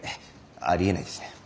ありえないですね。